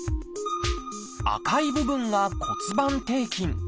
赤い部分が骨盤底筋。